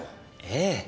ええ。